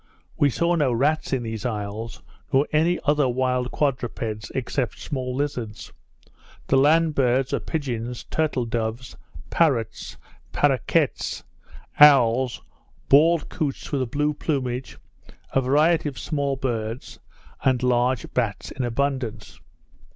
We saw no rats in these isles, nor any other wild quadrupeds, except small lizards. The land birds are pigeons, turtle doves, parrots, parroquets, owls, bald couts with a blue plumage, a variety of small birds, and large bats in abundance.